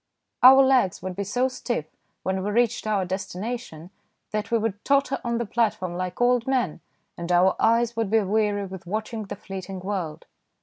Our legs would be so stiff when we reached our destination that we would totter on the plat form like old men, and our eyes would be weary with watching the fleeting world.